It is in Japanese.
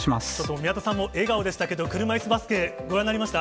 宮田さんも笑顔でしたけれども、車いすバスケ、ご覧になりました？